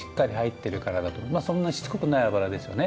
そんなしつこくない脂ですよね。